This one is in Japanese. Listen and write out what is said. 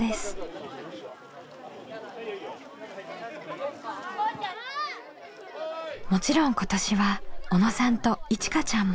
もちろん今年は小野さんといちかちゃんも。